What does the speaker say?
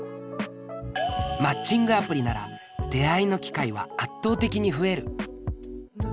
マッチングアプリなら出会いの機会は圧倒的に増える。